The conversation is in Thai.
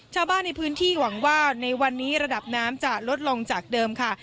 ชาวบ้านในพื้นที่หวังว่าในวันนี้ระดับน้ำจะลดลงจากเดิมค่ะ